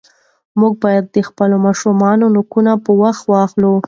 موږ باید د خپلو ماشومانو نوکان په وخت واخلو.